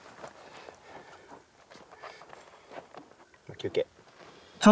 休憩。